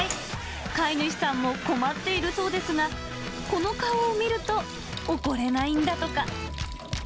飼い主さんも困っているそうですが、この顔を見ると、怒れないんだとか。